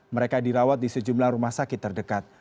mereka dirawat di sejumlah rumah sakit terdekat